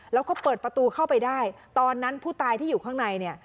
แล้วก็เปิดประตูเข้าไปได้ตอนนั้นผู้ตายที่อยู่ข้างใน